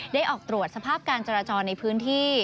ออกตรวจสภาพการจราจรในพื้นที่